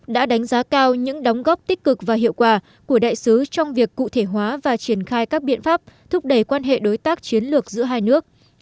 đã đánh giá cao những đóng góp tích cực và hiệu quả của đại sứ trong việc cụ thể hóa và triển khai các biện pháp thúc đẩy quan hệ đối tác chiến lược giữa hai nước